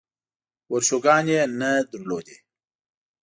ورشوګانې یې نه لرلې.